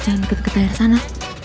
jangan deket deket dari sana